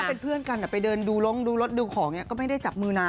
เป็นเพื่อนกันไปเดินดูลงดูรถดูของก็ไม่ได้จับมือนะ